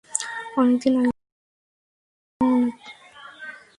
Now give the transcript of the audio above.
অনেক দিন আগে থেকেই ধারণা করা হচ্ছিল, থাইল্যান্ডের রাজা ভুমিবল আদুলাদেজ মারা যাবেন।